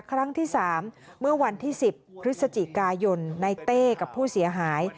ครั้งที่๓เมื่อวันที่๑๐พฤศจิกายนในเต้กับผู้เสียหาย